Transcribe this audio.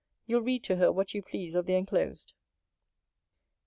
You'll read to her what you please of the enclosed.